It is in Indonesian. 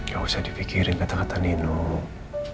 gak usah dipikirin kata katanya nuk